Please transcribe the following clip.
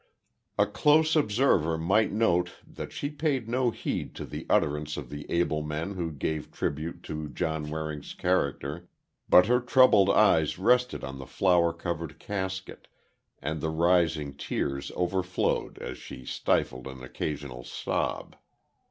A close observer might note that she paid no heed to the utterance of the able men who gave tribute to John Waring's character, but her troubled eyes rested on the flower covered casket, and the rising tears overflowed as she stifled an occasional sob.